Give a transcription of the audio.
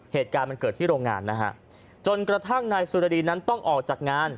เหตุการณ์มันเกิดที่โรงงานนะฮะจนกระทั่งนายสุรดีนั้นต้องออกจากงาน